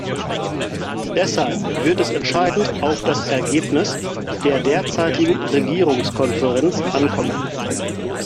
Deshalb wird es entscheidend auf das Ergebnis der derzeitigen Regierungskonferenz ankommen.